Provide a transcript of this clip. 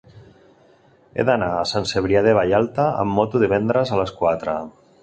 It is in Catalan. He d'anar a Sant Cebrià de Vallalta amb moto divendres a les quatre.